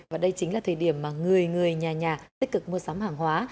và đây chính là thời điểm mà người người nhà nhà tích cực mua sắm hàng hóa